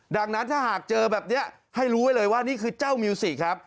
ดังนั้นถ้าหากเจอแบบนี้ให้รู้ไว้เลยว่านี่คือเจ้ามิวสิกครับ